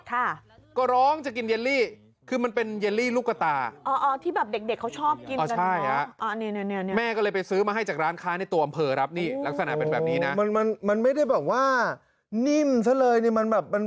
ค่ะก็ร้องจะกินเยลลี่คือมันเป็นเยลลี่ลูกกระตาที่แบบเด็กเขาชอบกินกัน